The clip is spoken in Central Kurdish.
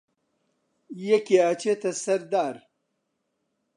یەکێ ئەچێتە سەر دار